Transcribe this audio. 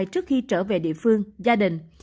trước khi trở về địa phương gia đình